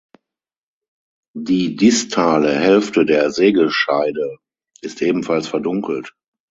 Die distale Hälfte der Sägescheide ist ebenfalls verdunkelt.